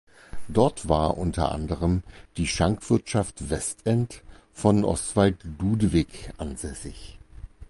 Dort war unter anderem die „Schankwirtschaft Westend“ von Oswald Ludewig ansässig.